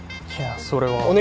いやそれは。